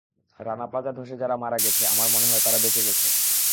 রানা প্লাজা ধসে যারা মারা গেছে, আমার মনে হয়, তারা বেঁচে গেছে।